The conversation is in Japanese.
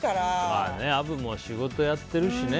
まあ、アブも仕事やってるしね。